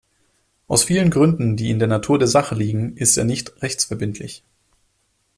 Aus vielen Gründen, die in der Natur der Sache liegen, ist er nicht rechtsverbindlich.